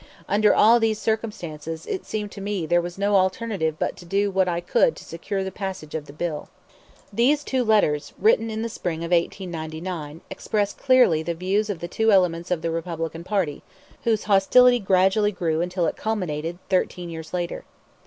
Under all these circumstances, it seemed to me there was no alternative but to do what I could to secure the passage of the bill." These two letters, written in the spring of 1899, express clearly the views of the two elements of the Republican party, whose hostility gradually grew until it culminated, thirteen years later.